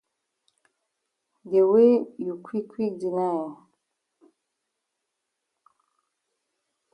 De way you quick quick deny eh.